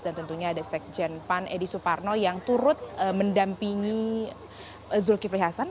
tentunya ada sekjen pan edi suparno yang turut mendampingi zulkifli hasan